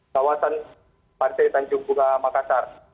kawasan pantai tanjung bunga makassar